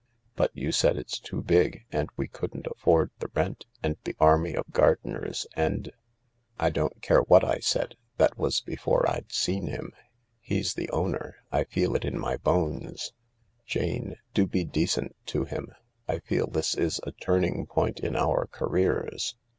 " But you said it's too big, and we couldn't afford the rent and the army of gardeners and— —"" I don't care what I said — that was before I'd seen him. He's the owner. I feel it in my bones. Jane, do be decent to him — I feel this is a turning point in our careers.